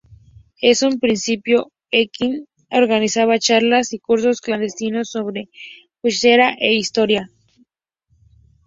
En un principio Ekin organizaba charlas y cursos clandestinos sobre euskera e historia.